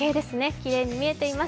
きれいに見えています。